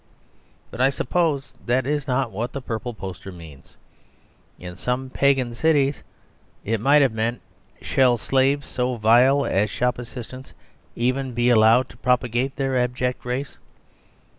But I suppose that is not what the purple poster means. In some pagan cities it might have meant, "Shall slaves so vile as shop assistants even be allowed to propagate their abject race?"